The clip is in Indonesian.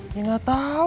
ya gak tau